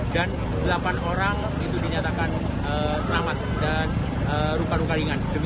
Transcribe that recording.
dan delapan orang itu dinyatakan selamat dan ruka ruka ringan